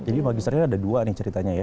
jadi magisternya ada dua nih ceritanya ya